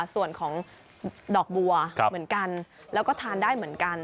ส่วนของดอกบัวเหมือนกันแล้วก็ทานได้เหมือนกัน